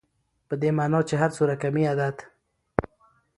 په دې معني چي هر څو رقمي عدد